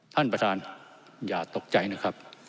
ท่านประธานอย่าตกใจนะครับ